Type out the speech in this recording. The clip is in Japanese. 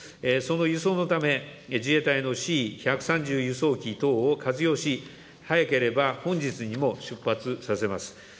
その輸送のため、自衛隊のＣ１３０輸送機等を活用し、早ければ本日にも出発させます。